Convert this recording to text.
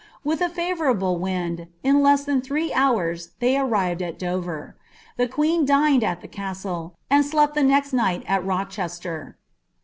With a favourable wind, in iMi than thire houra they arrived al Dover. The queen dineil at ihe nuilo, anil »lepi (he next niufht al Rocheater.